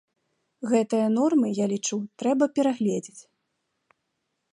Гэтыя нормы, я лічу, трэба перагледзець.